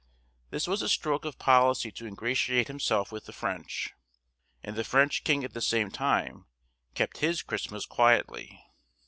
This was a stroke of policy to ingratiate himself with the French, and the French king at the same time kept his Christmas quietly.